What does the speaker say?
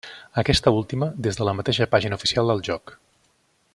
Aquesta última des de la mateixa pàgina oficial del joc.